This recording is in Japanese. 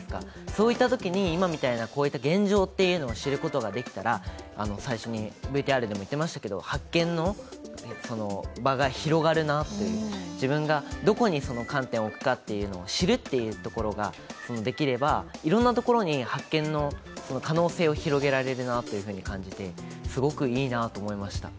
そういったときに、今みたいな現状を知ることができたら最初にＶＴＲでも言っていましたけれども発見の場が広がるなと、自分がどこに観点を置くかというのを知るということができれば、いろんなところに発見の可能性を広げられるなと感じてすごくいいなと思いました。